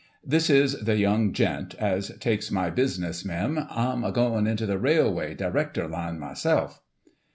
—' This is the young Gent, as takes my Business, Mem. Tm agoin' into the Railway — Director Line myself.